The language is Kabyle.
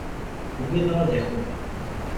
Ugadeɣ ad akreɣ.